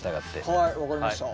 はい分かりました。